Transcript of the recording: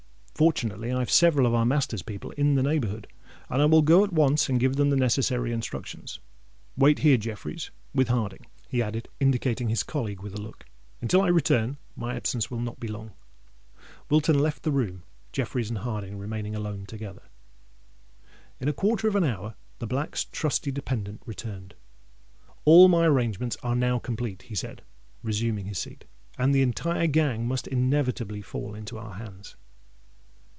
Fortunately, I have several of our master's people in the neighbourhood; and I will go at once and give them the necessary instructions. Wait here, Jeffreys, with Harding," he added, indicating his colleague with a look; "until I return. My absence will not be long." Wilton left the room, Jeffreys and Harding remaining alone together. In a quarter of an hour the Black's trusty dependant returned. "All my arrangements are now complete," he said, resuming his seat; "and the entire gang must inevitably fall into our hands."